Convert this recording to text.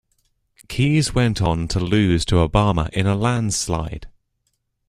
Keyes went on to lose to Obama in a landslide.